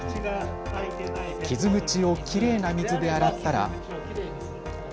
傷口をきれいな水で洗ったら。